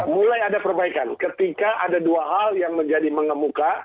mulai ada perbaikan ketika ada dua hal yang menjadi mengemuka